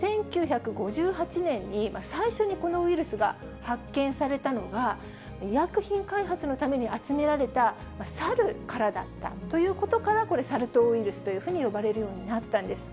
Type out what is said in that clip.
１９５８年に最初にこのウイルスが発見されたのが、医薬品開発のために集められたサルからだったということから、これ、サル痘ウイルスというふうに呼ばれるようになったんです。